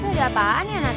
tuh ada apaan ya hat